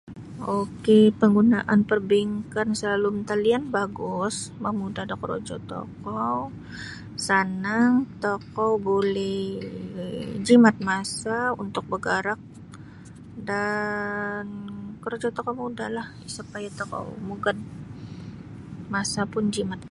Ok panggunaan perbankan salalum talian bagus mamudah da korojo tokou sanang tokou boleh jimat masa untuk bagarak dan korojo tokou mudahlah isa payah tokou mugad masa pun jimat.